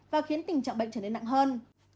và khiến tình trạng bệnh trở nên nặng hơn